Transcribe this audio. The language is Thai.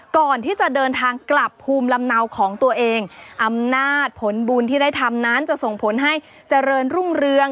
ก่อนที่จะเดินทางกลับภูมิลำเนาของตัวเองอำนาจผลบุญที่ได้ทำนั้นจะส่งผลให้เจริญรุ่งเรือง